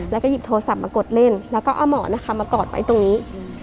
แล้วก็หยิบโทรศัพท์มากดเล่นแล้วก็เอาหมอนนะคะมากอดไว้ตรงนี้